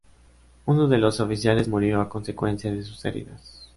Uno de los oficiales murió a consecuencia de sus heridas.